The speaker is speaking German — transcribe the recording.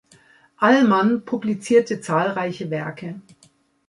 Allman publizierte zahlreiche Werke.